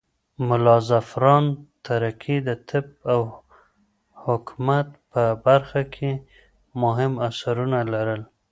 ملا زعفران تره کى د طب او حکمت په برخه کې مهم اثرونه لرل.